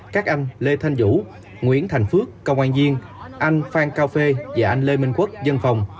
các anh lê thanh vũ nguyễn thành phước công an diên anh phan cao phê và anh lê minh quốc dân phòng